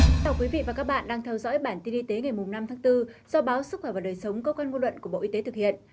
xin chào quý vị và các bạn đang theo dõi bản tin y tế ngày năm tháng bốn do báo sức khỏe và đời sống cơ quan ngôn luận của bộ y tế thực hiện